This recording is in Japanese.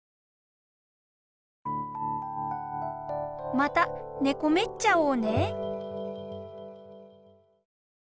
・またねこめっちゃおうね。